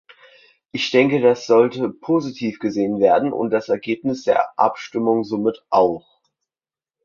Ich denke, das sollte positiv gesehen werden und das Ergebnis der Abstimmung somit auch.